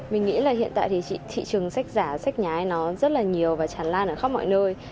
mình nghĩ là hiện tại thì thị trường sách giả sách nhái nó rất là nhiều và tràn lan ở khắp mọi nơi